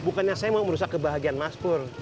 bukannya saya mau merusak kebahagiaan mas pur